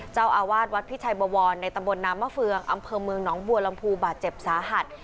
เจ้าอาวาสวัดพิชัยบวรในตำบลน้ำมะเฟืองอำเภอเมืองหนองบัวลำพูบาดเจ็บสาหัส